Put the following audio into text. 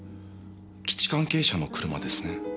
基地関係者の車ですね。